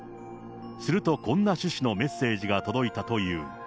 するとこんな趣旨のメッセージが届いたという。